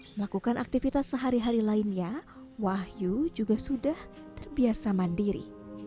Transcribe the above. melakukan aktivitas sehari hari lainnya wahyu juga sudah terbiasa mandiri